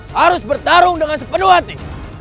harus bertarung dengan sepenuh hati